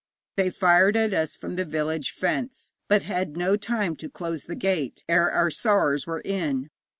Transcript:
They fired at us from the village fence, but had no time to close the gate ere our sowars were in.